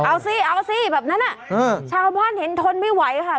เอาสิเอาสิแบบนั้นชาวบ้านเห็นทนไม่ไหวค่ะ